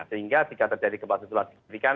sehingga jika terjadi gempa susulan di sini kan